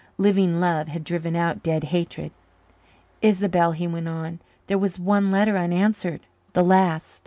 Living love had driven out dead hatred. "Isobel," he went on, "there was one letter unanswered the last."